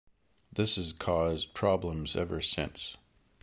This has caused problems ever since.